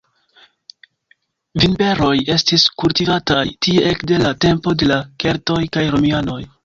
Vinberoj estis kultivataj tie ekde la tempo de la keltoj kaj Romianoj.